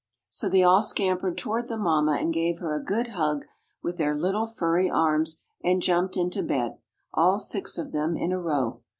So they all scampered toward the mamma and gave her a good hug, with their little furry arms, and jumped into bed, all six of them in a row.